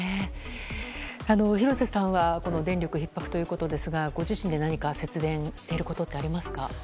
廣瀬さんは電力ひっ迫ということですがご自身で何か節電していることってありますか？